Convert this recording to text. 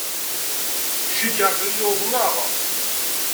Cikkeɣ aql-iyi uḍneɣ.